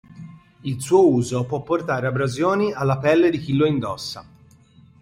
Il suo uso può portare abrasioni alla pelle di chi lo indossa.